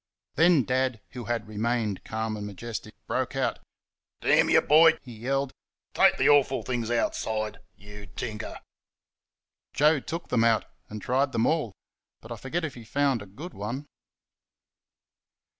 Then Dad, who had remained calm and majestic, broke out. "Damn y', boy!" he yelled, "take th' awful things outside YOU tinker!" Joe took them out and tried them all, but I forget if he found a good one.